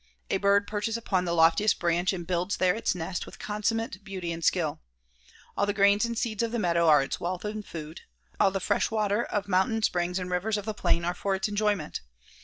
A bird perches upon the loftiest branch and builds there its nest with consummate beauty and skill. All the grains and seeds of the meadows are its wealth and food ; all the fresh water of moun tain springs and rivers of the plain are for its enjoyment.